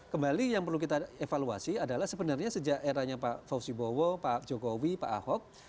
kembali yang perlu kita evaluasi adalah sebenarnya sejak eranya pak fauzi bowo pak jokowi pak ahok